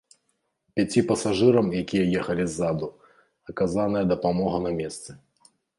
Пяці пасажырам, якія ехалі ззаду, аказаная дапамога на месцы.